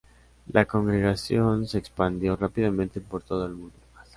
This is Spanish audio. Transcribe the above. La congregación se expandió rápidamente por todo el mundo.